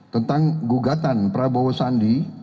tentang gugatan prabowo sandi